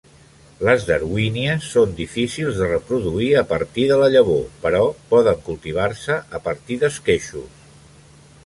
Les darwínies són difícils de reproduir a partir de la llavor, però poden cultivar-se a partir d'esqueixos.